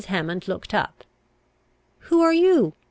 Hammond looked up. "Who are you?"